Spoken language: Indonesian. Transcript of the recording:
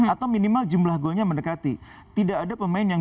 atau minimal jumlah golnya mendekati